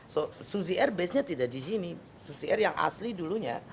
so susi air base nya tidak di sini susi air yang asli dulunya